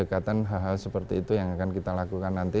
kedekatan hal hal seperti itu yang akan kita lakukan nanti